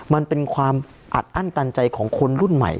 มันเป็นความอัดอั้นตันใจของคนรุ่นใหม่